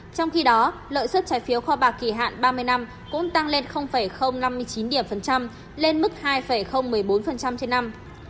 trong khi đó lợi suất trái phiếu kho bạc kỳ hạn ba mươi năm cũng tăng lên năm mươi chín điểm phần trăm lên mức hai một mươi bốn trên năm